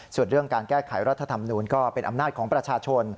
ส่วนเรื่องการแก้ไขรัฐธรรมนูลก็เป็นอำนาจของประชาชน